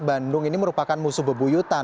bandung ini merupakan musuh bebuyutan